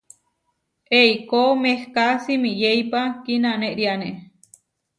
Eikó mehká simiyéipa kinanériane.